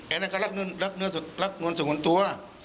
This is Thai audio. อันนั้นก็รักนวลส่งคนตัว